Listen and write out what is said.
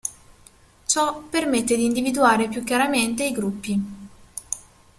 Ciò permette di individuare più chiaramente i gruppi.